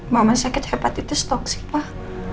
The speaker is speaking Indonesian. mama sakit hepatitis toksi pak